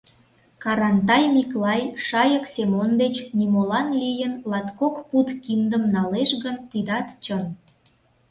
Карантай Миклай Шайык Семон деч нимолан лийын латкок пуд киндым налеш гын, тидат чын...